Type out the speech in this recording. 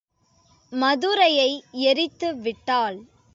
மதுரையை எரித்து விட்டாள்.